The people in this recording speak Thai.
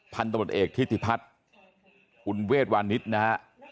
พันธบทเอกทิติพัฒน์คุณเวทวานิสนะฮะ